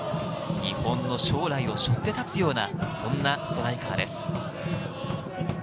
日本の将来をしょってたつような、そんなストライカーです。